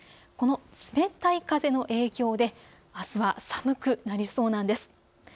この冷たい風の影響であすは寒くなりそうなんです。